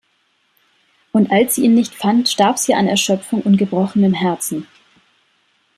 Und als sie ihn nicht fand, starb sie an Erschöpfung und gebrochenem Herzen.